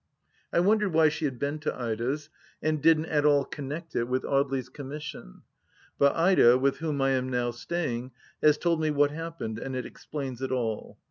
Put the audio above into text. I wondered why she had been to Ida's, and didn't at all connect it with Audely's com mission ; but Ida, with whom I am now staying, has told me what happened, and it explains it all.